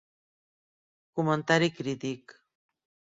Comentari crític.